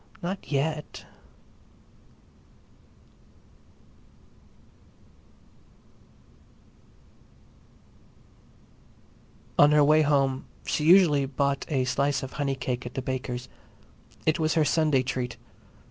"Not yet." On her way home she usually bought a slice of honey cake at the baker's. It was her Sunday treat.